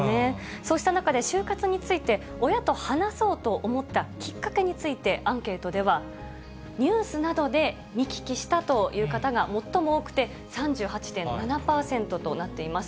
そうした中で、終活について親と話そうと思ったきっかけについて、アンケートでは、ニュースなどで見聞きしたという方が最も多くて３８．７％となっています。